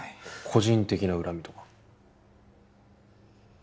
個人的な恨みとか？